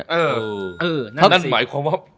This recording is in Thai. นั่นหมายความว่า